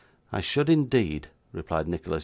'I should indeed,' replied Nicholas.